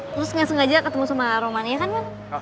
terus sengaja ketemu sama romanya kan man